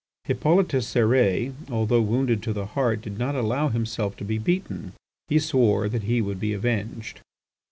Hippolyte Cérès, although wounded to the heart, did not allow himself to be beaten. He swore that he would be avenged.